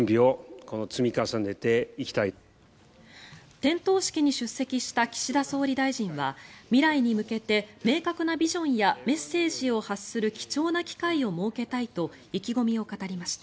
点灯式に出席した岸田総理大臣は未来に向けて明確なビジョンやメッセージを発する貴重な機会を設けたいと意気込みを語りました。